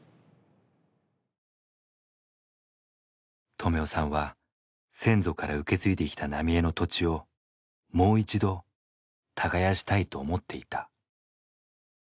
止男さんは先祖から受け継いできた浪江の土地をもう一度耕したいと思っていた。